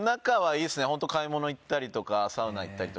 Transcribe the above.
ホント買い物行ったりとかサウナ行ったりとか。